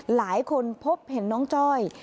หลายคนพบเห็นน้องจ้อย